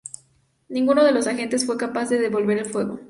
Ninguno de los agentes fue capaz de devolver el fuego.